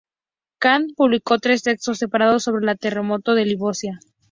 Kant publicó tres textos separados sobre el terremoto de Lisboa.